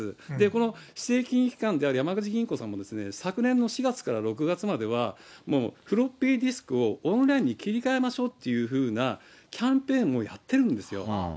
この請求機関である山口銀行さんも、昨年の４月から６月まではもうフロッピーディスクをオンラインに切り替えましょうというふうな、キャンペーンもやってるんですよ。